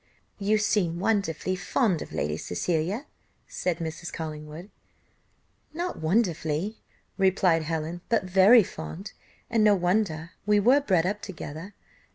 "You seem wonderfully fond of Lady Cecilia," said Mrs. Collingwood. "Not wonderfully," replied Helen, "but very fond, and no wonder, we were bred up together.